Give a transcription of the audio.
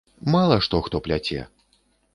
Мала што хто пляце.